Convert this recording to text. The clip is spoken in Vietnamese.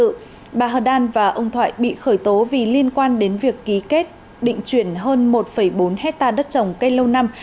bà hờ đan và ông thoại bị khởi tố vì liên quan đến việc ký kết định chuyển hơn một bốn hectare đất trồng cây lâu năm